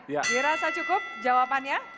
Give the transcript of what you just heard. ya dirasa cukup jawabannya